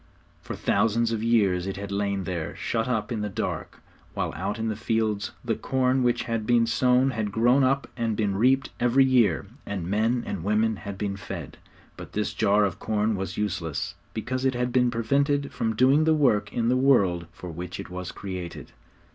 For thousands of years it had lain there, shut up in the dark, while out in the fields the corn which had been sown had grown up and been reaped every year, and men and women had been fed. But this jar of corn was useless, because it had been prevented from doing the work in the world for which it was created.